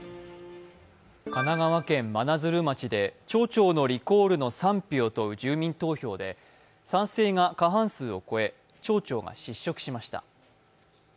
神奈川県真鶴町で町長のリコールの賛否を問う住民投票で賛成が半数を超え、町長が失職しました。